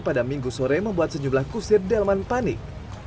pada minggu sore membuat sejumlah kusir delman panik